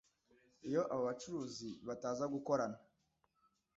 iyo abo bacuruzi bataza gukorana